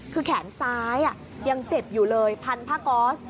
คือแขนซ้ายยังเจ็บอยู่เลยพันผ้าก๊อส